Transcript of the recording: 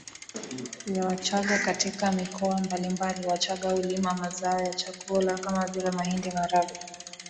ya Wachagga katika mikoa mbalimbaliWachagga hulima mazao ya chakula kama vile mahindi maharagwe